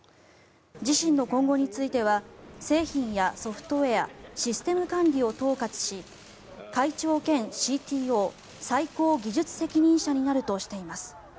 自身の今後については製品やソフトウェアシステム管理を統括し会長兼ＣＴＯ・最高技術責任者になるとしています。